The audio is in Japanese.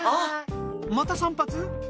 また散髪？